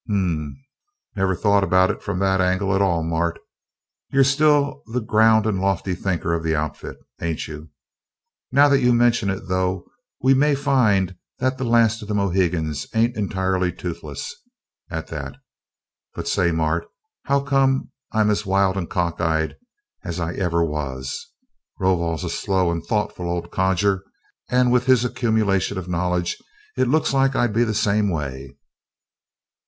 "Hm m m. Never thought about it from that angle at all, Mart.... You're still the ground and lofty thinker of the outfit, ain't you? Now that you mention it, though, we may find that the Last of the Mohicans ain't entirely toothless, at that. But say, Mart, how come I'm as wild and cock eyed as I ever was? Rovol's a slow and thoughtful old codger, and with his accumulation of knowledge it looks like I'd be the same way."